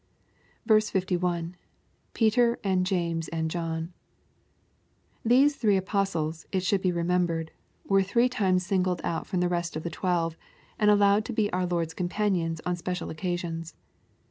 51. — [Peter, and James^ and JoJin,] These three apostles, it should be remembered, were three times singled out from the rest of the twelve, and allowed to be our Lord's companions on special oc casions.